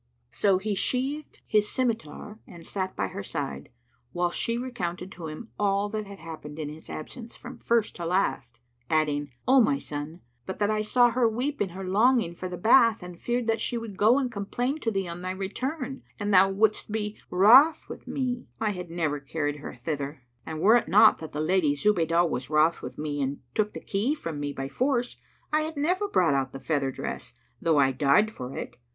So he sheathed his scymitar and sat by her side, whilst she recounted to him all that had happened in his absence from first to last, adding, "O my son, but that I saw her weep in her longing for the bath and feared that she would go and complain to thee on thy return, and thou wouldst be wroth with me, I had never carried her thither; and were it not that the Lady Zubaydah was wroth with me and took the key from me by force, I had never brought out the feather dress, though I died for it.